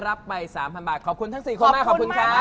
รับไป๓๐๐บาทขอบคุณทั้ง๔คนมากขอบคุณครับ